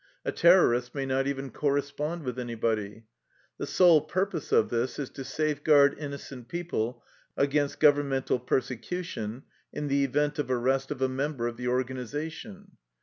A terror ist may not even correspond with anybody. The sole purpose of this is to safeguard innocent peo ple against governmental persecution in the event of arrest of a member of the organization.